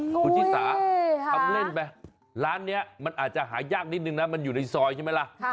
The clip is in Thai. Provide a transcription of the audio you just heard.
คุณจิตสาล์ทำเล่นล้านนี้มันหายากนิดนึงนะมันอยู่ในซอยใช่ไหมละ